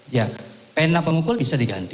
ya pena pemukul bisa diganti